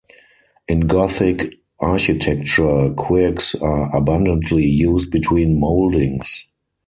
In Gothic architecture quirks are abundantly used between mouldings.